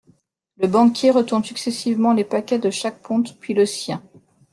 Le banquier retourne successivement les paquets de chaque ponte puis le sien.